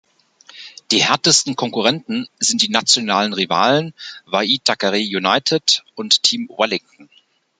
Die härtesten Konkurrenten sind die nationalen Rivalen Waitakere United und Team Wellington.